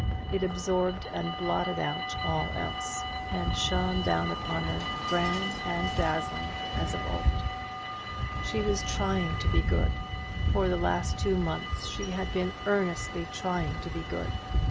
It absorbed and blotted out all else: and shone down upon her, grand and dazzling, as of old. She was trying to be good. For the last two months she had been earnestly trying to be good.